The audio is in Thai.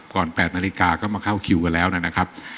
๘นาฬิกาก็มาเข้าคิวกันแล้วนะครับ